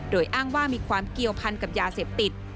โดยอ้างว่ามีความเกี่ยวพันกับยาเสพติด